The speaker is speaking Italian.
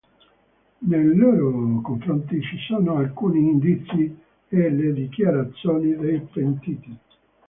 Nei loro confronti ci sono alcuni indizi e le dichiarazioni dei pentiti.